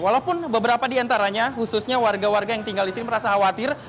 walaupun beberapa di antaranya khususnya warga warga yang tinggal di sini merasa khawatir